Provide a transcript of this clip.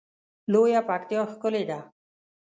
لویه پکتیا ښکلی ده